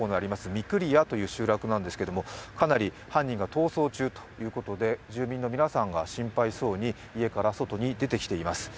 御厨という集落なんですが、犯人が逃走中ということで住民の皆さんが心配そうに家から外に出てきています。